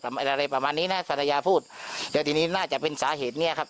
อะไรประมาณนี้นะภรรยาพูดแล้วทีนี้น่าจะเป็นสาเหตุเนี้ยครับ